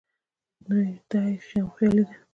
نو دا ئې خام خيالي ده